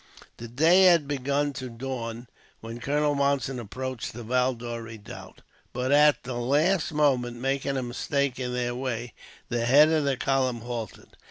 The day had begun to dawn when Colonel Monson approached the Valdore redoubt. But at the last moment, making a mistake in their way, the head of the column halted.